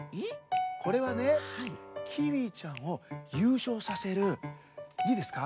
これはねキーウィちゃんをゆうしょうさせるいいですか？